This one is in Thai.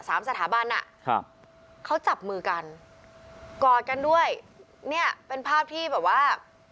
สามสถาบันอ่ะครับเขาจับมือกันกอดกันด้วยเนี่ยเป็นภาพที่แบบว่า